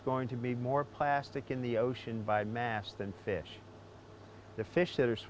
akan ada lebih banyak plastik di laut dengan masalah daripada ikan